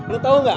lo tau gak